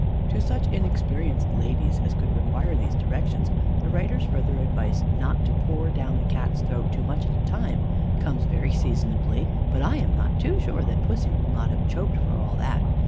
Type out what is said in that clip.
To such inexperienced ladies as could require these directions, the writer's further advice not to pour down the Cat's throat too much at a time, comes very seasonably, but I am not too sure that Pussy will not be choked for all that.